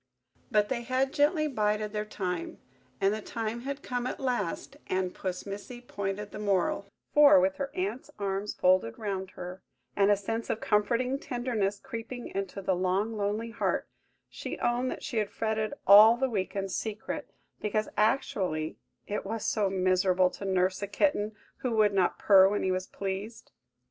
But they had gently bided their time, and the time had come at last, and Puss Missy pointed the moral; for, with her aunt's arms folded round her, and a sense of her comforting tenderness creeping into the long lonely heart, she owned that she had fretted all the week in secret because–actually because–it was so miserable to nurse a kitten who would not purr when he was pleased!